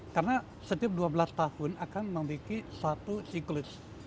karena setiap dua belas tahun akan memiliki satu ciklus